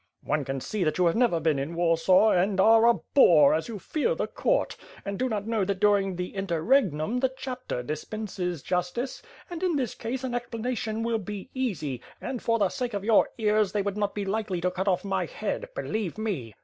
"One can see that you have never been in Warsaw and are a boor, as you fear the court; and do not know that during the interregnum the chapter dispenses juatice. And in this case an explanation will be easy, and for the sake of your ears they would not be likely to cut off my head — ^believe mc."